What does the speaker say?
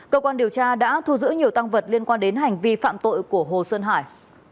cơ quan điều tra đã thu giữ nhiều tăng vật liên quan đến hành vi phạm tội của hồ xuân hải